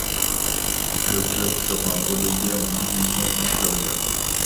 Le club sera relégué en division inférieure.